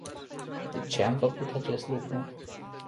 De ce am făcut acest lucru?